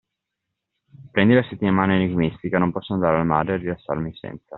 Prendi la settimana enigmistica, non posso andare al mare e rilassarmi senza!